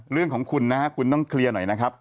เรื่องของคุณนะฮะคุณต้องเคลียร์หน่อยนะครับ